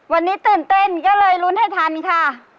วันนี้ตื่นเต้นก็เลยลุ้นให้ทันค่ะ